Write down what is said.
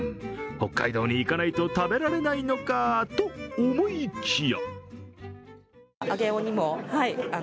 北海道に行かないと食べられないのかと思いきや。